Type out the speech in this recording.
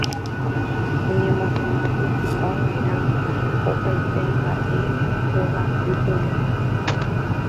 oñemohendapyahupava'erã opaite mba'e ogapypegua